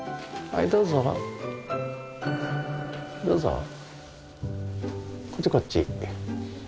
どうぞ。